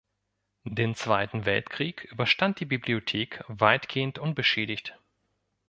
Den Zweiten Weltkrieg überstand die Bibliothek weitgehend unbeschädigt.